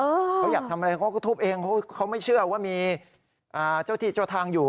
เขาอยากทำอะไรเขาก็ทุบเองเขาไม่เชื่อว่ามีเจ้าที่เจ้าทางอยู่